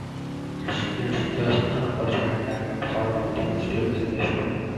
It's just unfortunate that that sort of thing still exists.